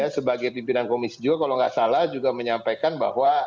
sebagai pimpinan komisi ju kalau nggak salah juga menyampaikan bahwa